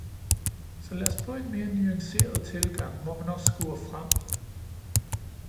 Så lad os få en mere nuanceret tilgang, hvor man også skuer fremad.